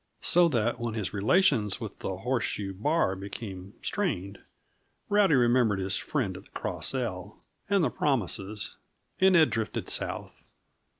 So that, when his relations with the Horseshoe Bar became strained, Rowdy remembered his friend of the Cross L and the promises, and had drifted south.